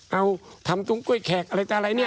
เอาทำตุ้งกล้วยแขกอะไรแต่อะไรเนี่ย